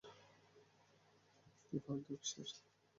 তুই ফালতুর একসের!